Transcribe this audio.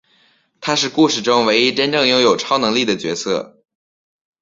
他是故事中唯一真正拥有超能力的角色。